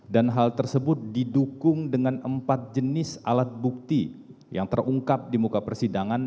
dan hal tersebut didukung dengan empat jenis alat bukti yang terungkap di muka persidangan